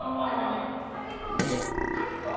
パチンコ、勝つと？